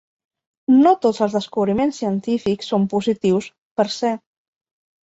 No tots els descobriments científics són positius 'per se'.